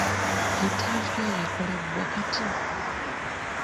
Yintaviyu eyo ekolebwa kati?